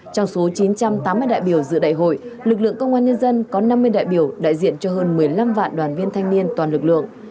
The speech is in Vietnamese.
trong số chín trăm tám mươi đại biểu dự đại hội lực lượng công an nhân dân có năm mươi đại biểu đại diện cho hơn một mươi năm vạn đoàn viên thanh niên toàn lực lượng